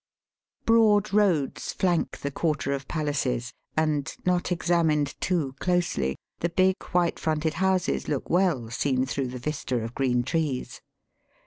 Broad roads flank the quarter of palaces, and, not examined too closely, the big white fronted houses look well seen through the vista of green trees.